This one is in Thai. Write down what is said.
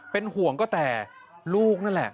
เป็นห่วงก็แต่ลูกนั่นแหละ